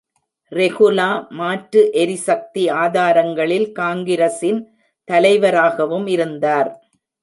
ரெகுலா மாற்று எரிசக்தி ஆதாரங்களில் காங்கிரஸின் தலைவராகவும் இருந்தார்.